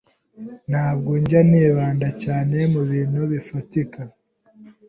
Ntabwo njya nibanda cyane mu bintu bifatika